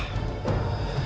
siapa kau sebenarnya